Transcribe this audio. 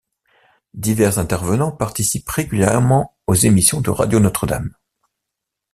Divers intervenants participent régulièrement aux émissions de Radio Notre-Dame.